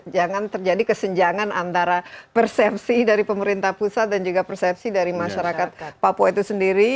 jangan terjadi kesenjangan antara persepsi dari pemerintah pusat dan juga persepsi dari masyarakat papua itu sendiri